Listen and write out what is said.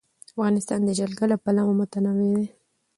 افغانستان د جلګه له پلوه متنوع دی.